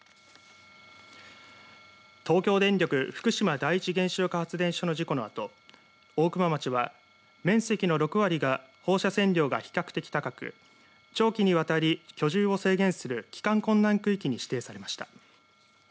東京電力福島第一原子力発電所の事故のあと大熊町は面積の６割が放射線量が比較的高く長期にわたり居住を制限する帰還困難区域に指定されました。